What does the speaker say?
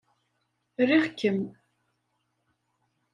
Riɣ-kem.